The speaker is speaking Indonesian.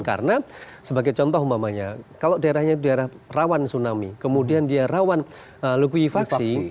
karena sebagai contoh umpamanya kalau daerahnya itu daerah rawan tsunami kemudian dia rawan lukui faksi